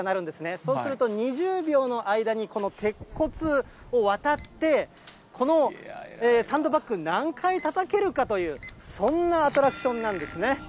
そうすると、２０秒の間にこの鉄骨を渡って、このサンドバッグ、何回たたけるかという、そんなアトラクションなんですね。